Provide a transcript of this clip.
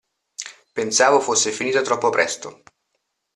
Pensavo fosse finita troppo presto.